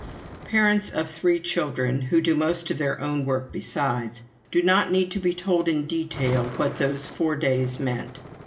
Parents of three children, who do most of their own work besides, do not need to be told in detail what those four days meant.